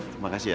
terima kasih ya